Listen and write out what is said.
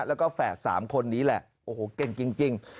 แล้วก็แฝด๓คนนี้แหละโอ้โหเก่งจริง